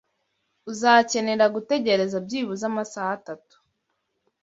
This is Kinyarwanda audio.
Uzakenera gutegereza byibuze amasaha atatu.